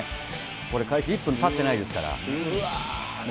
これ開始１分たってないですから。